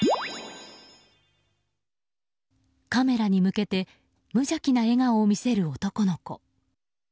カメラに向けて無邪気な笑顔を見せる男の子。